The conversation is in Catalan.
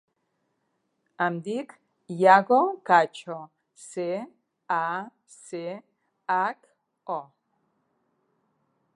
Em dic Iago Cacho: ce, a, ce, hac, o.